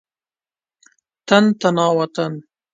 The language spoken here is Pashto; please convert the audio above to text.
تن تنا وطن.